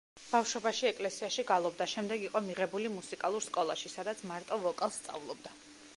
ბავშვობაში ეკლესიაში გალობდა, შემდეგ იყო მიღებული მუსიკალურ სკოლაში, სადაც მარტო ვოკალს სწავლობდა.